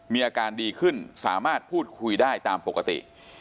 มีอาการดีขึ้นสามารถพูดคุยได้ตามปกติ